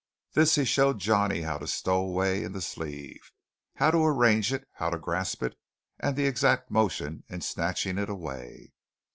This he showed Johnny how to stow away in the sleeve, how to arrange it, how to grasp it, and the exact motion in snatching it away.